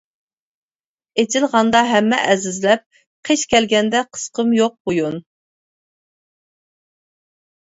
ئېچىلغاندا ھەممە ئەزىزلەپ، قىش كەلگەندە قىسقۇم يوق بويۇن.